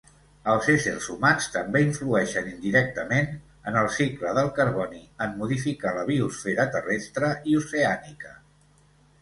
Els éssers humans també influeixen indirectament en el cicle del carboni en modificar la biosfera terrestre i oceànica.